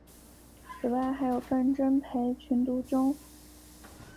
此外还有笨珍培群独中。